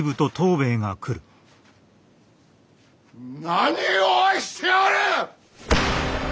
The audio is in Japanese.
何をしておる！？